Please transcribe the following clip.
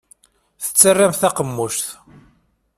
Tettarramt taqemmuct.